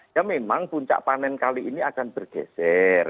ya memang puncak panen kali ini akan bergeser